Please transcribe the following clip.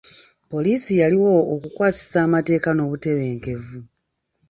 Poliisi yaliwo okukwasisa amateeka n'obutebenkevu.